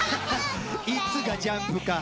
いつがジャンプか。